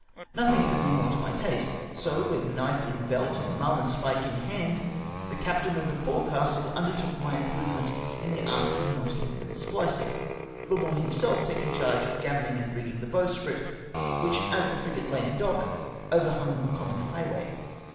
Nothing could be more to my taste ; so, with knife in belt and marhnspike in hand, the captain of the forecastle undertook my improvement in the arts of knotting and sphcing ; Larmour himself takhig charge of gammoning and rigging the bowsprit, which, as the frigate lay in dock, overhung the common liighway.